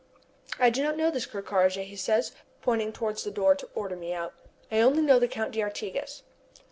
"I do not know this Ker Karraje," he says, pointing towards the door to order me out. "I only know the Count d'Artigas."